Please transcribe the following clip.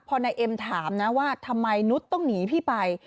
พอนายเอ็มถามนะว่าทำไมนุษย์ต้องหนีพี่ไป